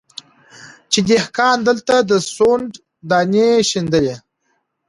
چي دهقان دلته د سونډ دانې شیندلې